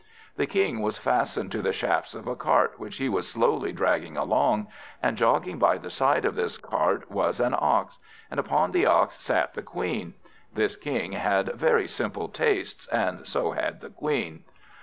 The King was fastened to the shafts of a cart, which he was slowly dragging along; and jogging by the side of this cart was an ox; and upon the ox sat the Queen. This King had very simple tastes, and so had the Queen.